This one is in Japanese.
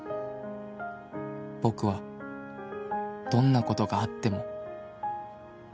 「僕はどんなことがあっても」